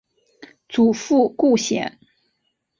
祖父顾显。